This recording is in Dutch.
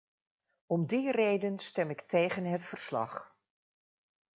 Om die reden stem ik tegen het verslag.